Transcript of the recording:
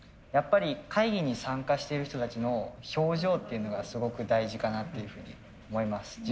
やっぱり会議に参加してる人たちの表情っていうのがすごく大事かなっていうふうに思います。